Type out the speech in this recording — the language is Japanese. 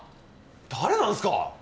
誰なんすか！？